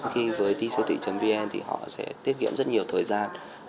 khi với disiêu thị vn thì họ sẽ tiết kiệm rất nhiều thời gian